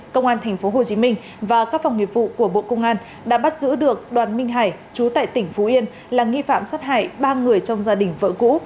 công an tp hcm và các phòng nghiệp vụ của bộ công an đã bắt giữ được đoàn minh hải chú tại tỉnh phú yên là nghi phạm sát hại ba người trong gia đình vợ cũ